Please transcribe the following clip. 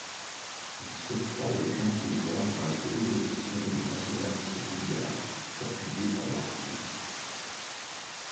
Il s'octroie les pleins pouvoirs, malgré l'opposition des nationalistes bulgares appuyés par la Russie.